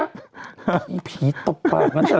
ไอ้ผีตกปากเนอะ